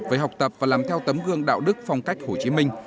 về học tập và làm theo tấm gương đạo đức phong cách hồ chí minh